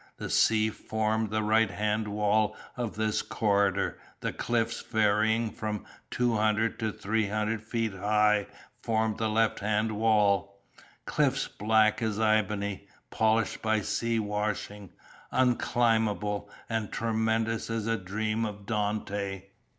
The sea formed the right hand wall of this corridor, the cliffs varying from two hundred to three hundred feet high formed the left hand wall, cliffs black as ebony, polished by sea washing, unclimbable and tremendous as a dream of Dante.